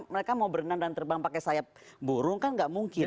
mereka mau berenang dan terbang pakai sayap burung kan nggak mungkin